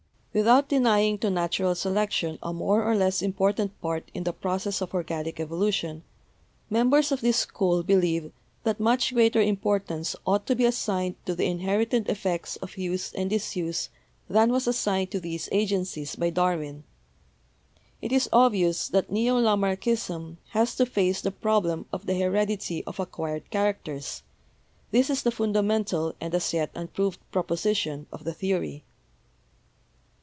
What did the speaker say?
Without denying to natural selection a more or less important part in the process of organic evolution, members of this school believe that much greater importance ought to be assigned to the inherited effects of use and disuse than was as signed to these agencies by Darwin. It is obvious that neo Lamarckism has to face the problem of the heredity of acquired characters — this is the fundamental and as yet unproved proposition of the theory.